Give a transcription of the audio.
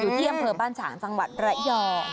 อยู่ที่อำเภอบ้านฉางสังวัติระย่อ